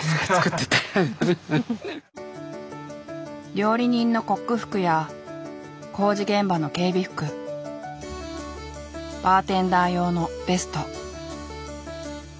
料理人のコック服や工事現場の警備服バーテンダー用のベスト。